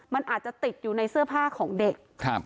มันอาจจะติดอยู่ในเสื้อผ้าของเด็ก